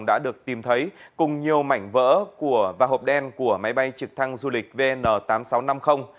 đã được tìm thấy cùng nhiều mảnh vỡ và hộp đen của máy bay trực thăng du lịch vn tám nghìn sáu trăm năm mươi